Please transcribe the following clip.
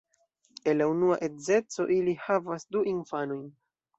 El la unua edzeco li havas du infanojn.